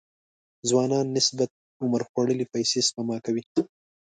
ځوانانو نسبت عمر خوړلي پيسې سپما کوي.